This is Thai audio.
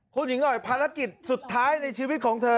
คุณหญิงหน่อยภารกิจสุดท้ายในชีวิตของเธอ